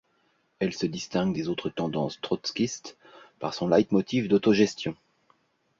Elle se distingue des autres tendances trotskistes par son leitmotiv d’autogestion.